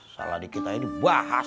salah dikit aja dibahas